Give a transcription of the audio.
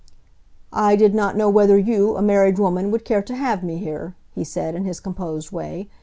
"I did not know whether you, a married woman, would care to have me here," he said, in his composed way.